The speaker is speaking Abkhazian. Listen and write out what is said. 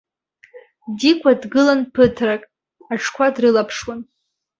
Дигәа дгылан ԥыҭрак аҽқәа дрылаԥшуан.